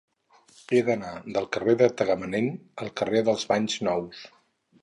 He d'anar del carrer de Tagamanent al carrer dels Banys Nous.